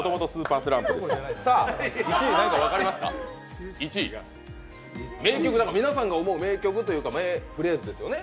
１位分かりますか、皆さんが思う名曲というか名フレーズですよね。